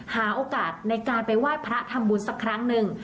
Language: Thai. หาโอกาสในการไปไหว้พระทำบุญสักครั้งหนึ่ง